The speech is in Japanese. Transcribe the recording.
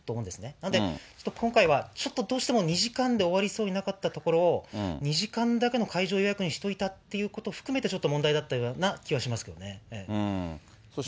なんで、ちょっと今回はちょっとどうしても２時間で終わりそうになかったところを、２時間だけの会場予約にしといたっていうことも含めて、含めてちょっと問題だったような気はしますけどね。